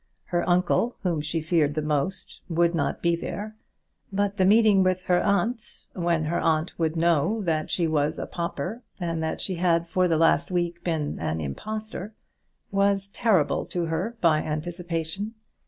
Her uncle, whom she feared the most, would not be there; but the meeting with her aunt, when her aunt would know that she was a pauper and that she had for the last week been an impostor, was terrible to her by anticipation.